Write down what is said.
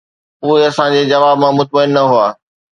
اهي اسان جي جواب مان مطمئن نه هئا.